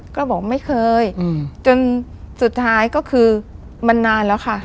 ก็บอกไม่เคยจนสุดท้ายก็คือมันนานแล้วค่ะ